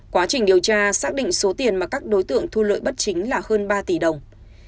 quá trình điều tra xác định số tiền mà các đối tượng thu lợi bất chính là hơn ba tỷ đồng